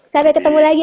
sampai ketemu lagi